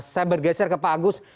saya bergeser ke pak agus